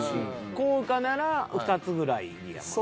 「高価」なら２つぐらいやもんな。